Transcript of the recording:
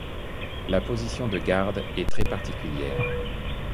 La position de garde est très particulière.